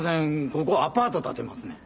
ここアパート建てますねん。